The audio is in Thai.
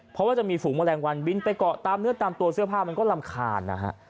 เพราะว่าจะมีฝูงแมลงวันบินไปเกาะตามเนื้อตามตัวเสื้อผ้ามันก็รำคาญนะฮะ